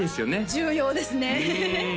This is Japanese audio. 重要ですねうん